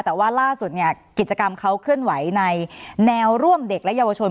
แต่ว่าล่าสุดเนี่ยกิจกรรมเขาเคลื่อนไหวในแนวร่วมเด็กและเยาวชน